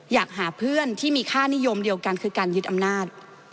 อยากหาเพื่อนที่มีค่านิยมเดียวกันคือการยึดอำนาจ